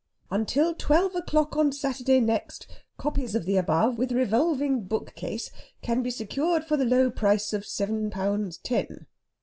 'Until twelve o'clock on Saturday next copies of the above, with revolving bookcase, can be secured for the low price of seven pounds ten.'..."